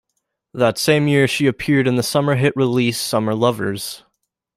That same year she appeared in the summer hit release "Summer Lovers".